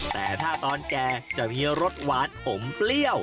แต่ถ้าตอนแก่จะมีรสหวานอมเปรี้ยว